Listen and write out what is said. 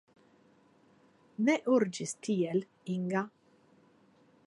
Ne urĝis tiel, Inga!